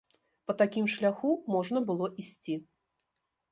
Па такім шляху можна было ісці.